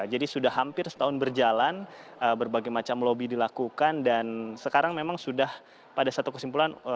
jadi sudah hampir setahun berjalan berbagai macam lobby dilakukan dan sekarang memang sudah pada satu kesimpulan